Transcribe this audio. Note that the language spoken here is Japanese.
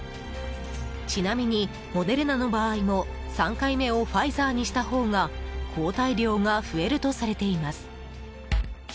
ちなみにモデルナの場合も３回目をファイザーにした方が抗体量が増えるとされています。